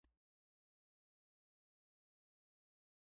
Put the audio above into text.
رسۍ هم ساده ده، هم مهمه.